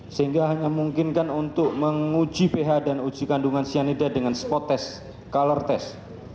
sehingga hanya memungkinkan untuk menguji ph dan uji kandungan cyanida dengan spot test color test